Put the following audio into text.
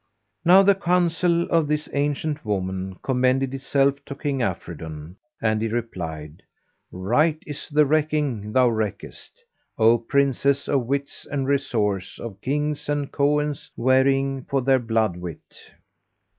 Now the counsel of this ancient woman commended itself to King Afridun, and he replied, "Right is the recking thou reckest, O Princess of wits and recourse of Kings and Cohens warring for their blood wit!"